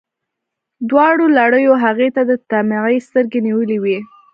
دواړو لړیو هغې ته د طمعې سترګې نیولي وې.